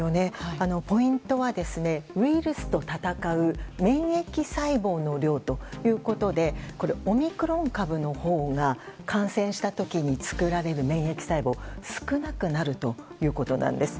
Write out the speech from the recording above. ポイントはウイルスと闘う免疫細胞の量ということでオミクロン株のほうが感染した時に作られる免疫細胞が少なくなるということなんです。